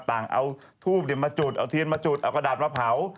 ต่างเอาทูบมาจุดเอาเทียนมาจุดเอากระดาษมาเผา